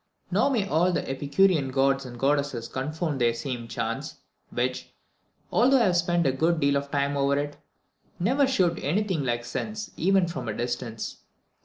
Now, may all the Epicurean gods and goddesses confound this same chance, which, although I have spent a good deal of time over it, never shewed me anything like sense even from a distance.